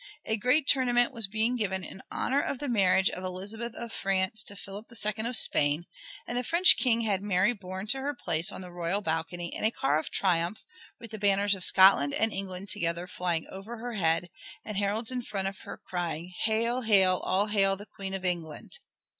A great tournament was being given in honor of the marriage of Elizabeth of France to Philip II of Spain, and the French King had Mary borne to her place on the royal balcony in a car of triumph with the banners of Scotland and England together flying over her head, and heralds in front of her crying, "Hail, hail, all hail the Queen of England!"